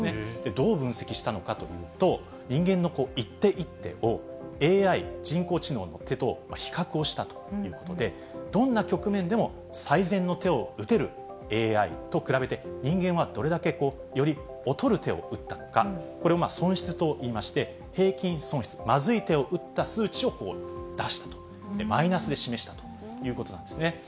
どう分析したのかというと、人間の一手一手をＡＩ・人工知能の手と比較をしたということで、どんな局面でも最善の手を打てるＡＩと比べて、人間はどれだけより劣る手を打ったのか、これを損失といいまして、平均損失、まずい手を打った数値を出したと、マイナスで示したということなんですね。